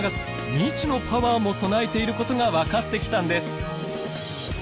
未知のパワーも備えていることが分かってきたんです。